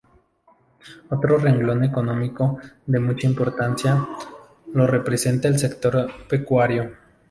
Otro renglón económico de mucha importancia, lo representa el sector pecuario.